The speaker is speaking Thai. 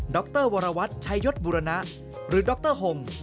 ดรวรวัตน์ชัยยศบุรณะหรือดรห่ม